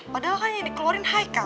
padahal kan yang dikeluarin haikal